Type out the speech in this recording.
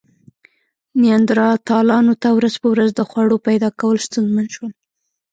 نیاندرتالانو ته ورځ په ورځ د خوړو پیدا کول ستونزمن شول.